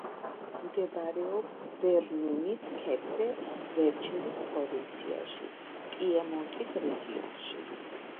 მდებარეობს ბერნინის ქედზე, ვერჩელის პროვინციაში, პიემონტის რეგიონში.